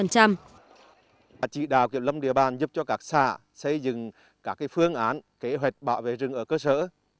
ban chỉ đạo kiểm lâm địa bàn giúp cho các xã xây dựng các phương án kế hoạch bảo vệ rừng ở cơ sở